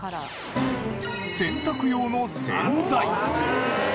洗濯用の洗剤。